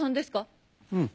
うん。